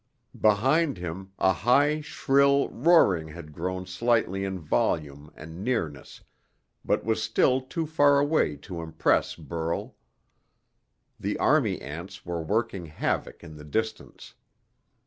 Behind him, a high, shrill roaring had grown slightly in volume and nearness, but was still too far away to impress Burl. The army ants were working havoc in the distance.